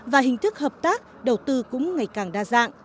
và hình thức hợp tác đầu tư cũng ngày càng đa dạng